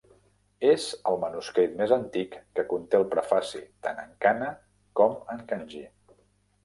És el manuscrit més antic que conté el prefaci tant en kana com en kanji.